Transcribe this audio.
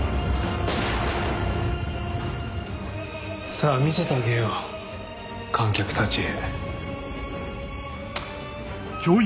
さぁ見せてあげよう観客たちへ。